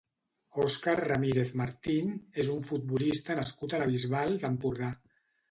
Óscar Ramírez Martín és un futbolista nascut a la Bisbal d'Empordà.